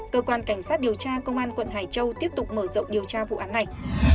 cơ quan cảnh sát điều tra công an quận hải châu tiếp tục mở rộng điều tra vụ án này